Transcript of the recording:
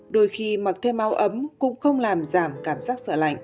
đôi khi mặc thêm áo ấm cũng không làm giảm cảm giác sợ lạnh